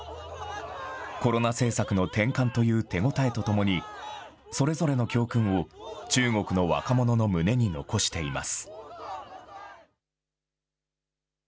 コロナ政策の転換という手応えとともに、それぞれの教訓を中国の若者の胸に残しています。